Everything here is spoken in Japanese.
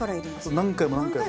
何回も何回も。